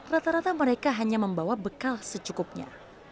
rata rata mereka hanya membawa bekal secukupnya